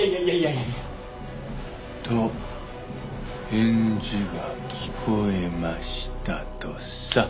しっ！と返事が聞こえましたとさ。